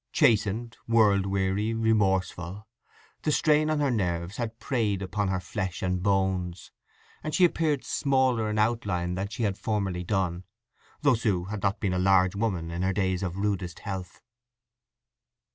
Chastened, world weary, remorseful, the strain on her nerves had preyed upon her flesh and bones, and she appeared smaller in outline than she had formerly done, though Sue had not been a large woman in her days of rudest health.